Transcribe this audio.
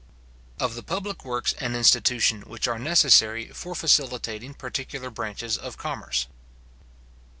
Of the public Works and Institution which are necessary for facilitating particular Branches of Commerce.